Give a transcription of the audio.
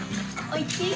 おいしい！